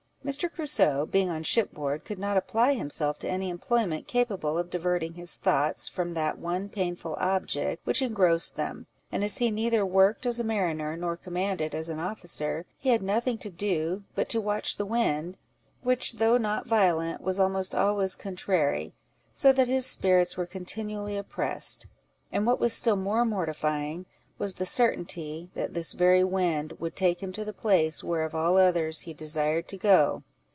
Mr. Crusoe, being on shipboard, could not apply himself to any employment capable of diverting his thoughts from that one painful object which engrossed them; and as he neither worked as a mariner, nor commanded as an officer, he had nothing to do but to watch the wind, which, though not violent, was almost always contrary, so that his spirits were continually oppressed; and what was still more mortifying, was the certainty, that this very wind would take him to the place where of all others he desired to go.